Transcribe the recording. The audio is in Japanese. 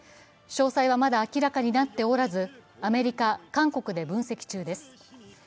詳細はまだ明らかになっておらずアメリカ、韓国で分析中です。